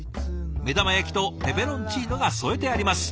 目玉焼きとペペロンチーノが添えてあります。